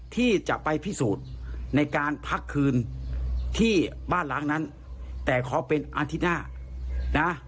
ที่จะไปพิสูจน์ในการพักคืนที่บ้านล้างนั้นแต่ขอเป็นอาทิตย์หน้านะ